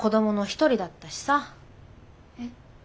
えっ。